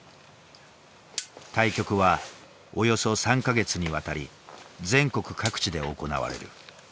対局はおよそ３か月にわたり全国各地で行われる。